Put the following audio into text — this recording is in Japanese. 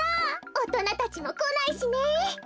おとなたちもこないしね。